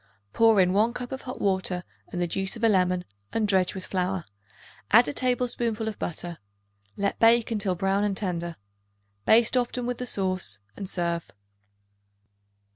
Pour in 1 cup of hot water and the juice of a lemon and dredge with flour; add a tablespoonful of butter. Let bake until brown and tender. Baste often with the sauce and serve.